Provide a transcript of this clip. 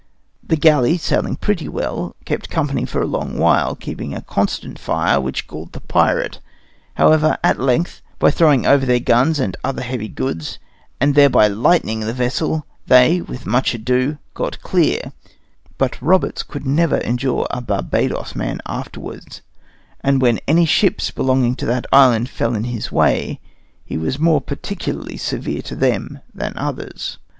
The galley, sailing pretty well, kept company for a long while, keeping a constant fire, which galled the pirate; however, at length, by throwing over their guns and other heavy goods, and thereby lightening the vessel, they, with much ado, got clear; but Roberts could never endure a Barbadoes man afterwards, and when any ships belonging to that island fell in his way, he was more particularly severe to them than others.